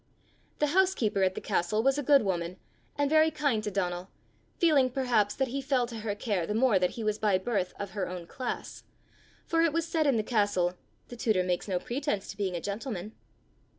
The housekeeper at the castle was a good woman, and very kind to Donal, feeling perhaps that he fell to her care the more that he was by birth of her own class; for it was said in the castle, "the tutor makes no pretence to being a gentleman."